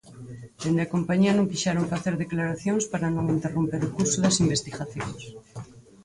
Dende a compañía non quixeron facer declaracións para non interromper o curso das investigacións.